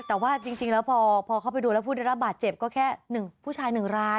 แต่ว่าจริงแล้วพอเข้าไปดูแล้วผู้ได้รับบาดเจ็บก็แค่๑ผู้ชาย๑ราย